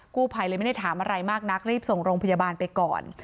กู้ภัยเลยไม่ได้ถามอะไรมากนักรีบส่งโรงพยาบาลไปก่อน